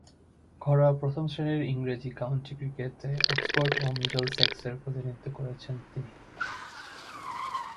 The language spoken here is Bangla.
ঘরোয়া প্রথম-শ্রেণীর ইংরেজ কাউন্টি ক্রিকেটে অক্সফোর্ড ও মিডলসেক্সের প্রতিনিধিত্ব করেছেন তিনি।